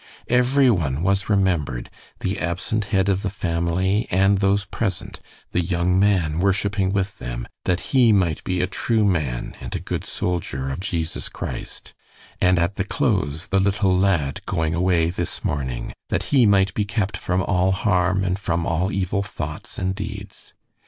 Every one was remembered the absent head of the family and those present; the young man worshiping with them, that he might be a true man and a good soldier of Jesus Christ; and at the close, the little lad going away this morning, that he might be kept from all harm and from all evil thoughts and deeds.